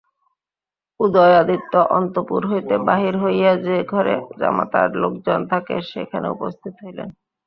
উদয়াদিত্য অন্তঃপুর হইতে বাহির হইয়া যে-ঘরে জামাতার লোকজন থাকে সেইখানে উপস্থিত হইলেন।